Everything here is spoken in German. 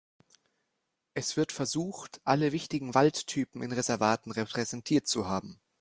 Es wird versucht, alle wichtigen Waldtypen in Reservaten repräsentiert zu haben.